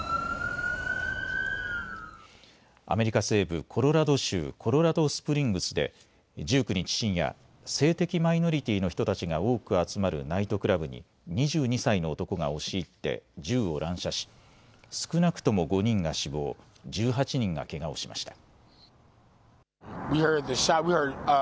アメリカ西部コロラド州コロラドスプリングスで１９日深夜、性的マイノリティーの人たちが多く集まるナイトクラブに２２歳の男が押し入って銃を乱射し少なくとも５人が死亡、１８人がけがをしました。